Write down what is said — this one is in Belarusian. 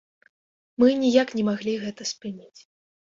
Мы ніяк не маглі гэта спыніць.